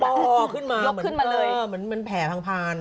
ก็ยอมแตจะโปรอยู่ขึ้นมาเหมือนแผลพาน